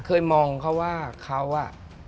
เคยมองเขาว่าเขาอ่ะ